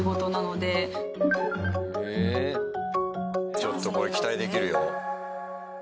ちょっとこれ期待できるよ。